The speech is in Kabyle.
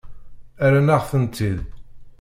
Rran-aɣ-ten-id.